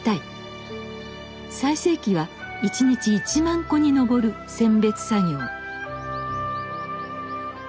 最盛期は一日１万個に上る選別作業。